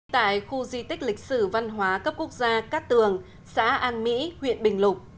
tại khu di tích lịch sử văn hóa cấp quốc gia cát tường xã an mỹ huyện bình lục